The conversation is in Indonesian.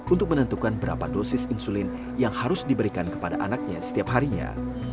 untuk menentukan berapa dosis insulin yang harus diberikan kepada anaknya setiap harinya